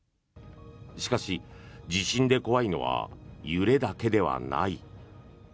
しかし、地震で怖いのは揺れだけではない。